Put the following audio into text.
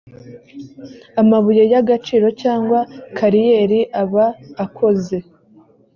amabuye y agaciro cyangwa kariyeri aba akoze